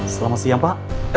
selamat siang pak